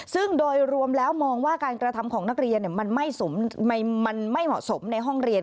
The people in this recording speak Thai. ซึ่งโดยรวมแล้วมองว่าการกระทำของนักเรียนมันไม่เหมาะสมในห้องเรียน